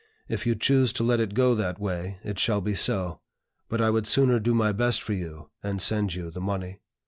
If you choose to let it go that way, it shall be so; but I would sooner do my best for you, and send you the money."